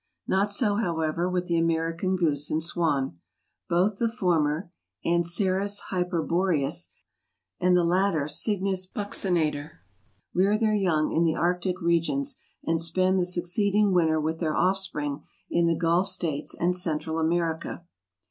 Not so, however, with the American goose and swan. Both the former, Anseres hyperboreas, and the latter, Cygnus buccinator, rear their young in the Arctic regions and spend the succeeding winter with their offspring in the Gulf States and Central America.